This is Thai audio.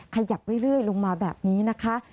ขยับเรื่อยลงมาแบบนี้นะคะ